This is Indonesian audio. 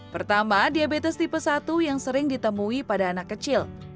pertama diabetes tipe satu yang sering ditemui pada anak kecil